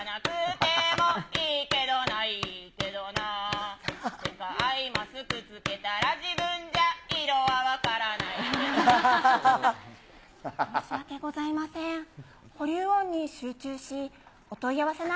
てか、アイマスク着けたら、自分じゃ色は分からないけどな。